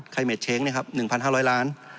คายเม็ดเช้ง๑๕๐๐ล้านบาท